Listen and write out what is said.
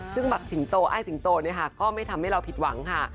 ซึ่งหมักสิงโตอ้ายสิงโตเนี่ยค่ะก็ไม่ทำให้เราผิดหวังค่ะ